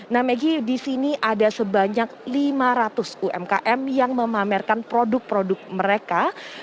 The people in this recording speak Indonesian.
nah maggie di sini ada sebanyak lima ratus umkm yang memamerkan produk produk mereka